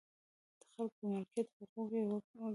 د خلکو د مالکیت حقوق یې وګواښل.